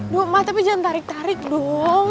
dua emak tapi jangan tarik tarik dong